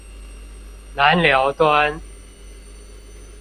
南寮端